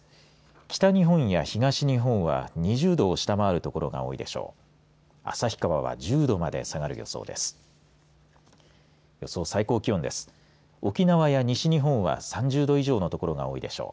北日本や東日本は２０度を下回る所が多いでしょう。